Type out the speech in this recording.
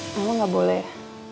mama gak boleh